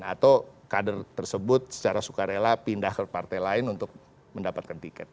atau kader tersebut secara sukarela pindah ke partai lain untuk mendapatkan tiket